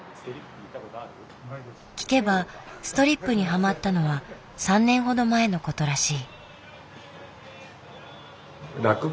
聞けばストリップにハマったのは３年ほど前のことらしい。